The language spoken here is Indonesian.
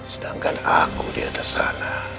sedangkan aku di atas sana